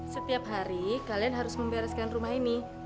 setiap hari kalian harus membereskan rumah ini